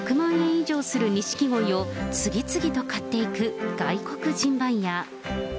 以上するニシキゴイを次々と買っていく外国人バイヤー。